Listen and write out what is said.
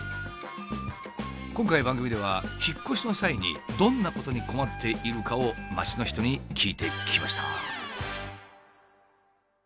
今回番組では引っ越しの際にどんなことに困っているかを街の人に聞いてきました。